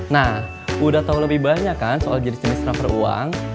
nah udah tau lebih banyak kan soal jenis jenis raffer uang